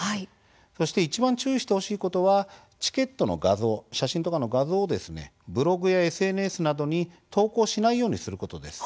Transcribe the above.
そしていちばん注意してほしいことはチケットの画像写真とかの画像をブログやＳＮＳなどに投稿しないようにすることです。